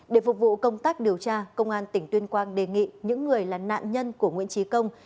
để phục vụ công tác điều tra công an tỉnh tuyên quang đề nghị những người là nạn nhân của nguyễn trí công